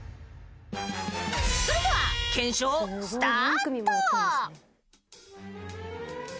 ［それでは検証スタート］